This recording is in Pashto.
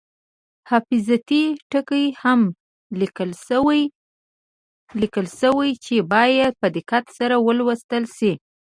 حفاظتي ټکي هم لیکل شوي چې باید په دقت سره ولوستل شي.